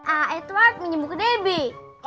ah edward minjem buku debbie